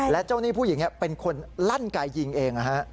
และเจ้าหนี้ผู้หญิงเป็นคนลั่นไกยิงเอง